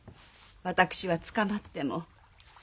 私は捕まっても。